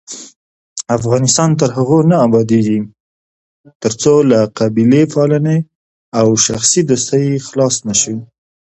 افغانستان تر هغو نه ابادیږي، ترڅو له قبیلې پالنې او شخصي دوستۍ خلاص نشو.